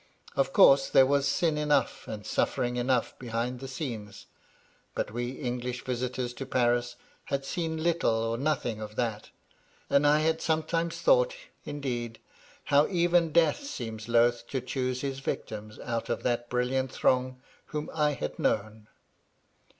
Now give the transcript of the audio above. Of course, there was sin enough and suffering enough behind the scenes ; but we English visitors to Paris had seen little or nothing of that, — and I had sometimes thought, indeed, how even Death seemed loth to choose his victims out of that brilliant throng whom I had known.